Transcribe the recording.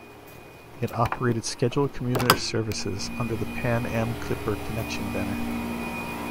It operated scheduled commuter services under the "Pan Am Clipper Connection" banner.